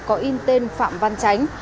có in tên phạm văn chánh